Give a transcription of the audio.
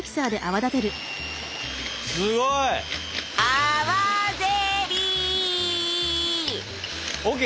すごい！泡ゼリー！ＯＫ？